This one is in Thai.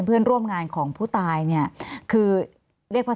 มีความรู้สึกว่ามีความรู้สึกว่า